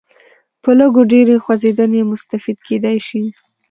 په لږ و ډېرې خوځېدنې مستفید کېدای شي.